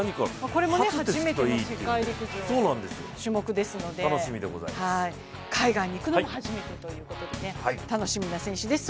これも初めての世界陸上の種目ですので、海外に行くのも初めてということで、楽しみな選手です。